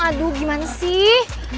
aduh gimana sih